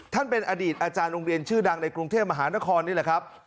เป็นอดีตอาจารย์โรงเรียนชื่อดังในกรุงเทพมหานครนี่แหละครับ